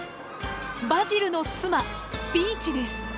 バジルの妻ピーチです。